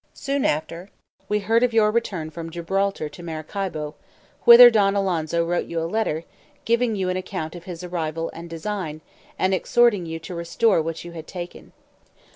Soon after, we heard of your return from Gibraltar to Maracaibo, whither Don Alonso wrote you a letter, giving you an account of his arrival and design, and exhorting you to restore what you had taken.